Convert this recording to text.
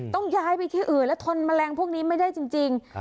ต้องย้ายไปที่อื่นแล้วทนแมลงพวกนี้ไม่ได้จริง